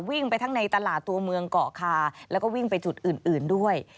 วิ่งไปทั้งในตลาดตัวเมืองเกาะคาแล้วก็วิ่งไปจุดอื่นด้วย